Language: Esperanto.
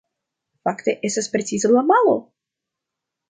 Fakte, estas precize la malo!